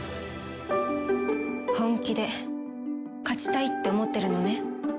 本気で勝ちたいって思ってるのね？